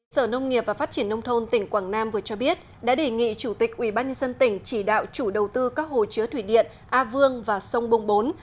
sở nông nghiệp và phát triển nông thôn tỉnh quảng nam vừa cho biết đã đề nghị chủ tịch ubnd tỉnh chỉ đạo chủ đầu tư các hồ chứa thủy điện a vương và sông bông bốn